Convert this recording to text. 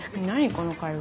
この会話。